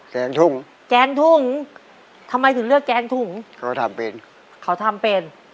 แกงถุงแกงถุงทำไมถึงเลือกแกงถุงเขาทำเป็นเขาทำเป็น